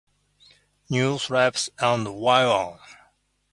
News Live" and "Wild On!